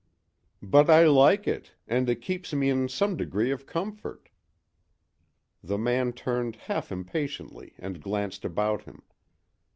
"But I like it, and it keeps me in some degree of comfort." The man turned half impatiently and glanced about him.